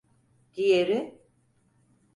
Diğeri…